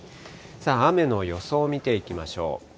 さあ、雨の予想を見ていきましょう。